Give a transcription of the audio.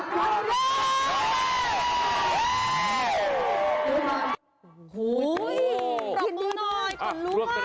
ขอบคุณหน่อยขอลุงมาก